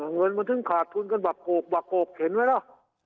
เงินมันถึงขาดทุนกันบักโกกบักโกกเห็นไหมล่ะ